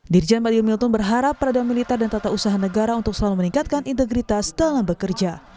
dirjen mario milton berharap perada militer dan tata usaha negara untuk selalu meningkatkan integritas dalam bekerja